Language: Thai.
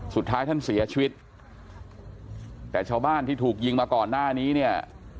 สุดท้ายท่านเสียชีวิตแต่ชาวบ้านที่ถูกยิงมาก่อนหน้านี้เนี่ย